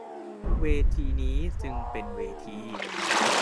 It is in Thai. เวทีนี้จึงเป็นเวที